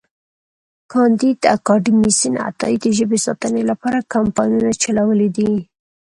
کانديد اکاډميسن عطایي د ژبې ساتنې لپاره کمپاینونه چلولي دي.